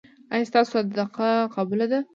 ایا ستاسو صدقه قبوله ده؟